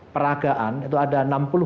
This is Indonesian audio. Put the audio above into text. peragaan itu ada enam puluh empat